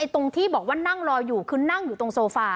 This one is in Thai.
ตรงที่บอกว่านั่งรออยู่คือนั่งอยู่ตรงโซฟา